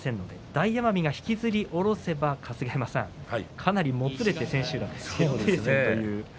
大奄美が引きずり下ろせばかなり、もつれて千秋楽という。